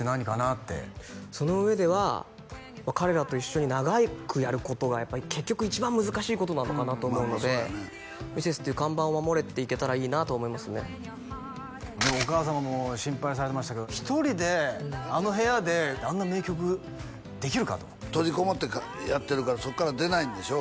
ってその上では彼らと一緒に長くやることがやっぱり結局一番難しいことなのかなと思うのでミセスっていう看板を守れていけたらいいなと思いますねでもお母様も心配されてましたけど１人であの部屋であんな名曲できるかと閉じこもってやってるからそっから出ないんでしょ？